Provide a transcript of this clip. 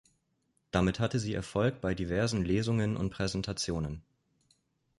Damit hatte sie Erfolg bei diversen Lesungen und Präsentationen.